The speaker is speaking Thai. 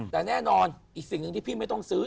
แต่แน่นอนอีกสิ่งหนึ่งที่พี่ไม่ต้องซื้อ